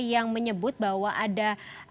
yang menyebut bahwa ada